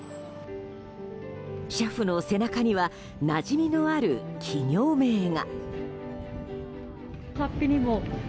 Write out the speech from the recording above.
車夫の背中にはなじみのある企業名が。